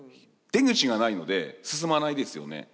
出口がないので進まないですよね。